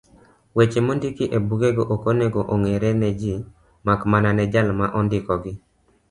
Weche mondiki ebugego okonego ong'ere neji makmana ne jal mane ondikogi.